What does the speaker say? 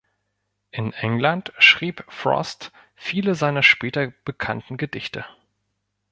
In England schrieb Frost viele seiner später bekannten Gedichte.